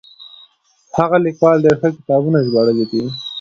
هغه ليکوال ډېر ښه کتابونه ژباړلي دي.